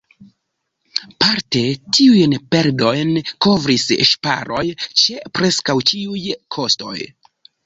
Parte tiujn perdojn kovris ŝparoj ĉe preskaŭ ĉiuj kostoj.